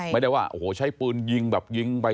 ไม่ได้ว่าโอ้โหใช้ปืนยิงแบบยิงไป